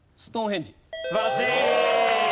素晴らしい！